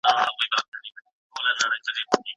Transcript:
کمپيوټر نيټورک وصلوي.